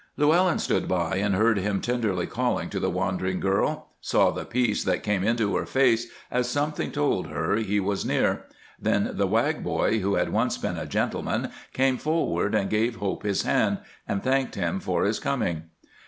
Llewellyn stood by and heard him tenderly calling to the wandering girl, saw the peace that came into her face as something told her he was near; then the Wag boy who had once been a gentleman came forward and gave Hope his hand, and thanked him for his coming.